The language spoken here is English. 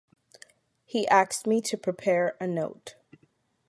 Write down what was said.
He asked me to prepare a note.